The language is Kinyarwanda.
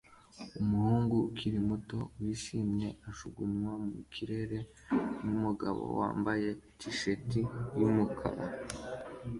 Umuhungu ukiri muto wishimye ajugunywa mu kirere n'umugabo wambaye t-shati y'umukara